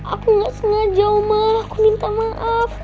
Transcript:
aku gak sengaja oma aku minta maaf